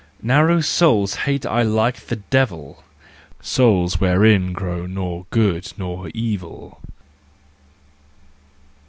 Narrow souls hate I like the devil, Souls wherein grows nor good nor evil.